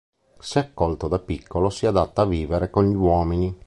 Se accolto da piccolo si adatta a vivere con gli uomini.